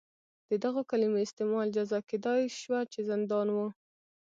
د دغو کلیمو استعمال جزا کېدای شوه چې زندان و.